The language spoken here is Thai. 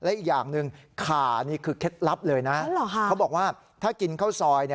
อีกอย่างหนึ่งขานี่คือเคล็ดลับเลยนะเขาบอกว่าถ้ากินข้าวซอย